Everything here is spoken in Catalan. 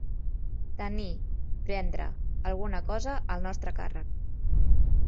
Tenir, prendre, alguna cosa al nostre càrrec.